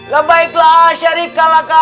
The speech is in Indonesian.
labaiklah syarika laka